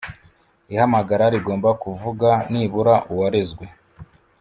ihamagara rigomba kuvuga nibura uwarezwe